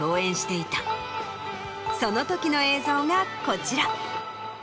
その時の映像がこちら。